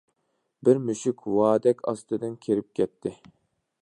بىر مۈشۈك ۋادەك ئاستىدىن كىرىپ كەتتى.